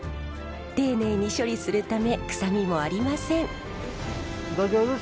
丁寧に処理するため臭みもありません。